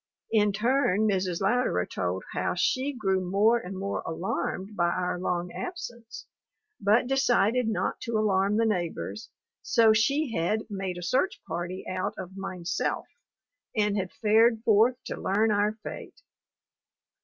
In turn Mrs. Louderer told how she grew more and more alarmed by our long absence, but decided not to alarm the neighbors, so she had "made a search party out of mineself," and had fared forth to learn our fate.